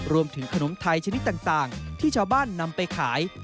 รวมถึงขนมไทยชนิดต่างที่ชาวบ้านนำไปขาย